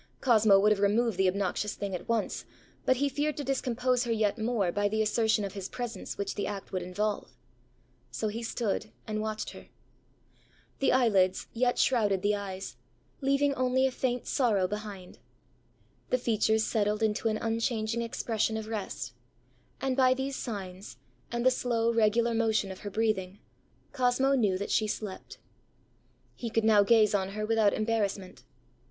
Cosmo would have removed the obnoxious thing at once, but he feared to discompose her yet more by the assertion of his presence which the act would involve. So he stood and watched her. The eyelids yet shrouded the eyes, as a costly case the jewels within; the troubled expression gradually faded from the countenance, leaving only a faint sorrow behind; the features settled into an unchanging expression of rest; and by these signs, and the slow regular motion of her breathing, Cosmo knew that she slept. He could now gaze on her without embarrassment.